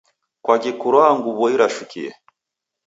Kwaki kurwaa nguw'o irashukie?